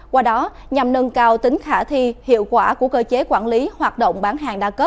qua đó nhằm nâng cao tính khả thi hiệu quả của cơ chế quản lý hoạt động bán hàng